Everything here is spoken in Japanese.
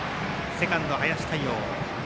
セカンド、林大遥。